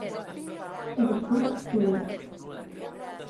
E despois, silencio.